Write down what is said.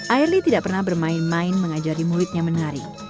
airely tidak pernah bermain main mengajari muridnya menari